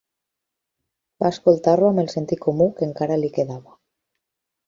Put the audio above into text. Va escoltar-lo amb el sentit comú que encara li quedava.